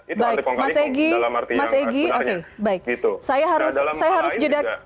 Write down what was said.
itu arti kongkalikong dalam arti yang sebenarnya